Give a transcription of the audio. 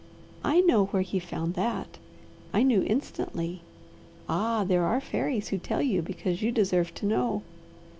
I know where he found that! I knew instantly. Ah, there are fairies who tell you, because you deserve to know."